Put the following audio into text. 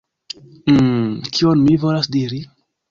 Hmm. Kion mi volas diri?